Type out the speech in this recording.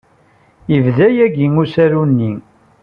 Yebda-d yagi usaru-nni.